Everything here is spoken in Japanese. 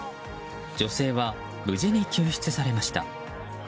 女性は無事に救出されました。